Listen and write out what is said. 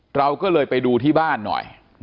เราก็เลยไปดูที่บ้านหน่อย